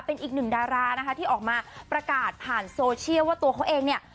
เป็นอีกหนึ่งดารานะคะที่ออกมาประกาศผ่านโซเชียลว่าตัวเขาเองเนี่ย